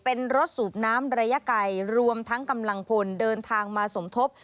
เป็นรถสูบน้ำระยะไกลรวมทั้งกำลังพลเดินทางมาสมทบ